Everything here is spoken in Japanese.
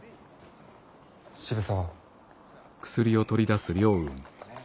渋沢。